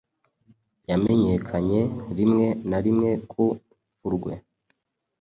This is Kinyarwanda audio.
Yamenyekanye rimwe na rimwe ku rupfurwe